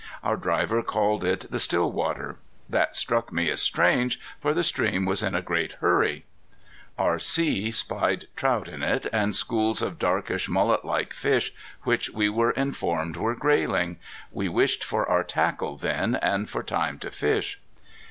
Our driver called it the Stillwater. That struck me as strange, for the stream was in a great hurry. R.C. spied trout in it, and schools of darkish, mullet like fish which we were informed were grayling. We wished for our tackle then and for time to fish.